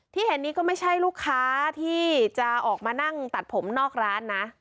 เห็นนี้ก็ไม่ใช่ลูกค้าที่จะออกมานั่งตัดผมนอกร้านนะ